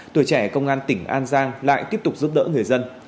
tuổi trẻ công an tỉnh an giang lại tiếp tục giúp đỡ người dân